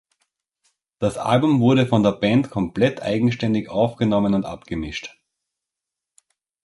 Das Album wurde von der Band komplett eigenständig aufgenommen und abgemischt.